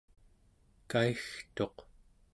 kaigtuq